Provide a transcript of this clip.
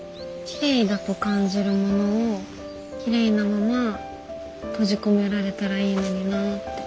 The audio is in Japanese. きれいだと感じるものをきれいなまま閉じ込められたらいいのになぁって。